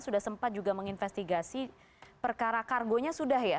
sudah sempat juga menginvestigasi perkara kargonya sudah ya